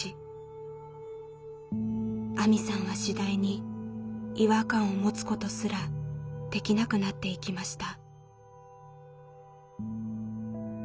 あみさんは次第に違和感を持つことすらできなくなっていきました。